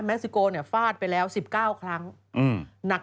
ซิโกเนี่ยฟาดไปแล้ว๑๙ครั้งหนัก